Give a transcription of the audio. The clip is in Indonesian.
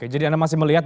jadi anda masih melihat